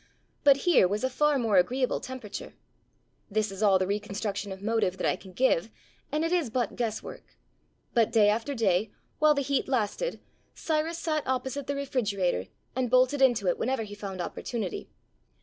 But here was a far 261 There Arose a King more agreeable temperature. ... This is all the re construction of motive that I can give, and it is but guesswork. But day after day, while the heat lasted, Cyrus sat opposite the refrigerator and bolted into it whenever he found opportunity.